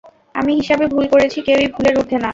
আমি হিসাবে ভুল করেছি, কেউই ভুলের উর্ধ্বে না।